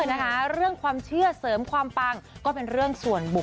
เออเรื่องความเชื่อเสริมความปังก็เป็นเรื่อง่